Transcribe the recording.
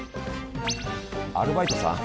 アルバイトさん？